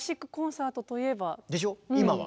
今は。